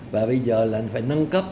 và bây giờ là phải nâng cấp